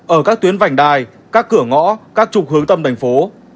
ở các tuyến vành đài các cửa ngõ các trục hướng tâm thành phố